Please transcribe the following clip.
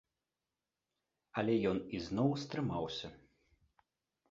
Але ён ізноў стрымаўся.